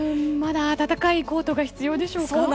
まだ暖かいコートが必要でしょうか。